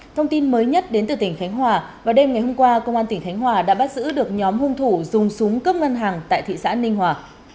thông tin mới nhất đến từ tỉnh khánh hòa vào đêm ngày hôm qua công an tỉnh khánh hòa đã bắt giữ được nhóm hung thủ dùng súng cướp ngân hàng tại thị xã ninh hòa